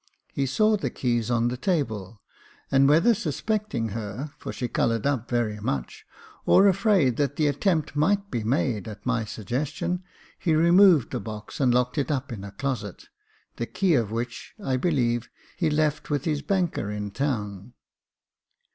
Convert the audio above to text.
He saw the keys on the table, and whether suspecting her, for she coloured up very much, or afraid that the attempt might be made at my suggestion, he removed the box and locked it up in a closet, the key of which, I believe, he left with his banker in town.